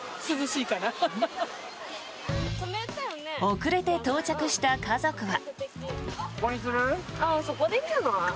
遅れて到着した家族は。